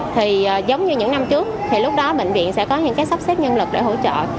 thì giống như những năm trước thì lúc đó bệnh viện sẽ có những cái sắp xếp nhân lực để hỗ trợ